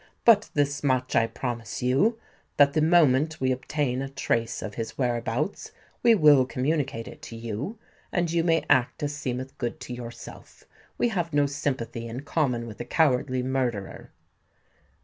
"But this much I promise you, that the moment we obtain a trace of his whereabouts, we will communicate it to you, and you may act as seemeth good to yourself. We have no sympathy in common with a cowardly murderer."